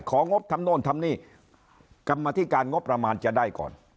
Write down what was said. งบทำโน่นทำนี่กรรมธิการงบประมาณจะได้ก่อน